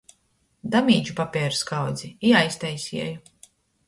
Damīdžu papeiru skaudzi i aiztaiseju.